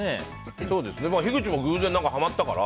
ひぐちも偶然ハマったから。